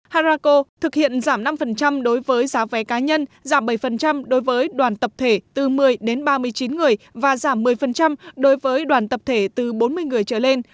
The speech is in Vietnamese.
harako thực hiện giảm năm đối với giá vé cá nhân giảm bảy đối với đoàn tập thể từ một mươi đến ba mươi chín người và giảm một mươi đối với đoàn tập thể từ bốn mươi người trở lên